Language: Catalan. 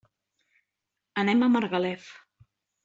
Anem a Margalef.